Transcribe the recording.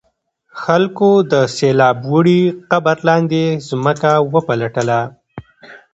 خلکو د سیلاب وړي قبر لاندې ځمکه وپلټله.